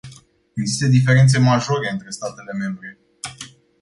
Există diferențe majore între statele membre.